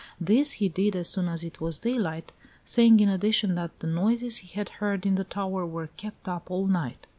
This he did as soon as it was daylight, saying in addition that the noises he had heard in the tower were kept up all night.